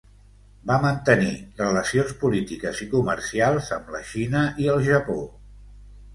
Va mantenir relacions polítiques i comercials amb la Xina i el Japó.